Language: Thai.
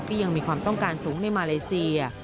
ยังมีความต้องการสูงในมาเลเซีย